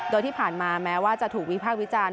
โดยที่ผ่านมาแม้ว่าจะถูกวิพากษ์วิจารณ์